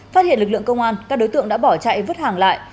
phát hiện lực lượng công an các đối tượng đã bỏ chạy vứt hàng lại